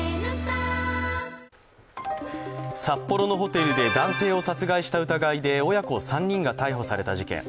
札幌のホテルで男性を殺害した疑いで親子３人が逮捕された事件。